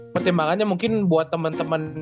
pertimbangannya mungkin buat temen temen